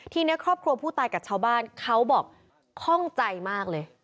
ทีนี้ครอบครัวผู้ตายกับชาวบ้านเขาบอกคล่องใจมากเลย